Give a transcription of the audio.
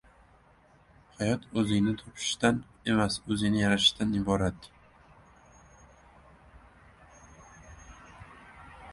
Hayot o‘zingni topishdan emas, o‘zingni yaratishingdan iborat.